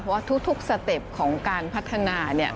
ว่าทุกสเต็ปของการพัฒนาเนี่ย